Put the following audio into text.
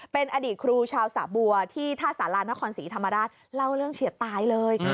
เป็นอดีตครูชาวสะบัวที่ท่าสารานครศรีธรรมราชเล่าเรื่องเฉียดตายเลย